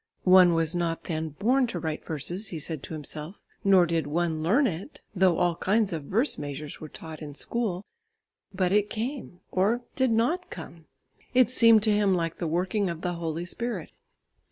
One was not then born to write verses, he said to himself, nor did one learn it, though all kinds of verse measures were taught in school, but it came, or did not come. It seemed to him like the working of the Holy Spirit.